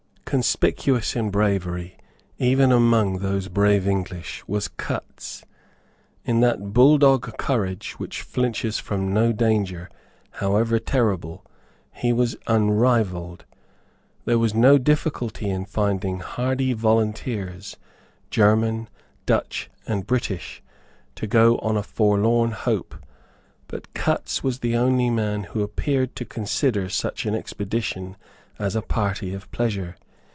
Conspicuous in bravery even among those brave English was Cutts. In that bulldog courage which flinches from no danger, however terrible, he was unrivalled. There was no difficulty in finding hardy volunteers, German, Dutch and British, to go on a forlorn hope; but Cutts was the only man who appeared to consider such an expedition as a party of pleasure.